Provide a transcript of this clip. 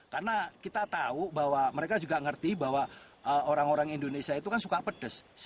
karena kita tahu bahwa mereka juga ngerti bahwa orang orang indonesia itu kan suka pedas